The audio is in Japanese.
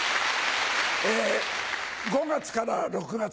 ５月から６月